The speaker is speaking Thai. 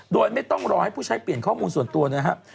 โดยไม่ต้องรอให้ผู้ใช้เปลี่ยนข้อมูลส่วนตัวนะครับ